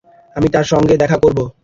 আমি তাঁর সঙ্গে দেখা করব।